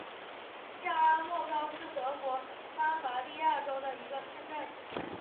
下阿默高是德国巴伐利亚州的一个市镇。